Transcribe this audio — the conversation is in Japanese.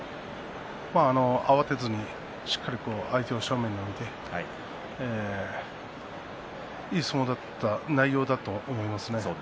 慌てずにしっかりと相手を正面に置いていい相撲内容だったと思いますね。